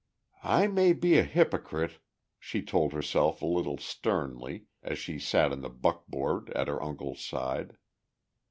"I may be a hypocrite," she told herself a little sternly, as she sat in the buckboard at her uncle's side.